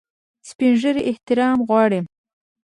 سپین ږیری احترام غواړي